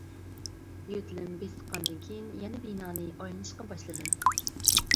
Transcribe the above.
يۆتىلىم بېسىققاندىن كېيىن يەنە بىنانى ئايلىنىشقا باشلىدىم.